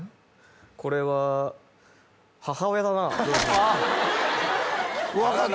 これは母親だなあれ？